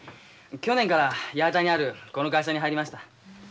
去年から八幡にあるこの会社に入りました。